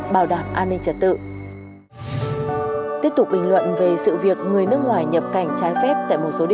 bảo đảm an ninh trật tự